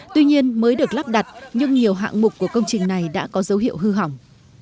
tuy nhiên mới được lắp đặt nhưng nhiều hạng mục của công trình này đã có dấu hiệu hư hỏng